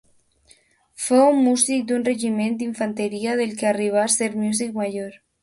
Fou músic d'un regiment d'infanteria, del que arribà ser músic major.